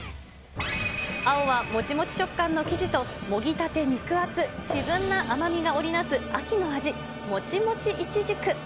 青はもちもち食感の生地ともぎたて肉厚、自然な甘みが織り成す秋の味、もちもちいちじく。